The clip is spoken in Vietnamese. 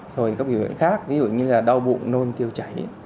rồi các bệnh viện khác ví dụ như là đau bụng nôn tiêu chảy